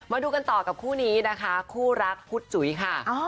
มาดูกันต่อกับคู่นี้นะคะคู่รักพุทธจุ๋ยค่ะ